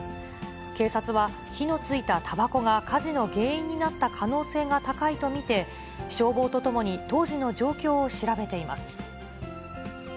警察は、火のついたたばこが火事の原因になった可能性が高いと見て、消防と共に当時の状況を調べています。